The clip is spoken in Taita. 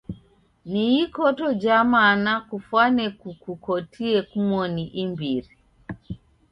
Ni ikoto ja mana kufwane kukukotie kumoni imbiri.